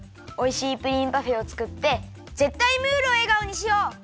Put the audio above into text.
おいしいプリンパフェをつくってぜったいムールをえがおにしよう！